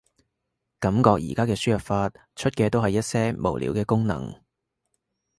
感覺而家嘅輸入法，出嘅都係一些無聊嘅功能